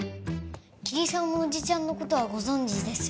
桐沢のおじちゃんの事はご存じですよね？